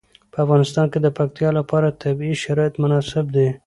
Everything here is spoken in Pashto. په افغانستان کې د پکتیکا لپاره طبیعي شرایط مناسب دي.